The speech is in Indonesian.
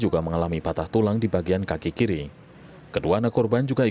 kecelakaan di jalan turunan tajab